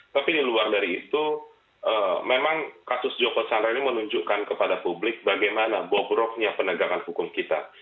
tapi di luar dari itu memang kasus joko chandra ini menunjukkan kepada publik bagaimana bobroknya penegakan hukum kita